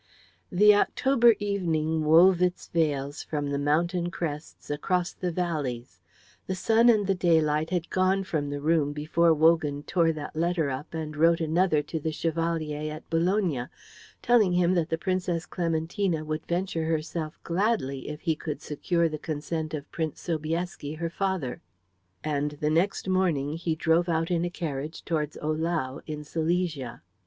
The October evening wove its veils from the mountain crests across the valleys; the sun and the daylight had gone from the room before Wogan tore that letter up and wrote another to the Chevalier at Bologna, telling him that the Princess Clementina would venture herself gladly if he could secure the consent of Prince Sobieski, her father. And the next morning he drove out in a carriage towards Ohlau in Silesia.